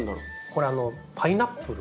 これパイナップル。